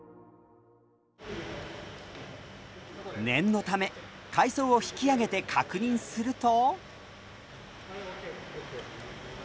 念のため海藻を引き揚げて確認すると。